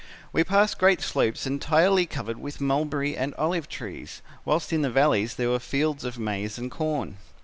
We passed great slopes entirely covered with mulberry and olive trees, whilst in the valleys there were fields of maize and corn.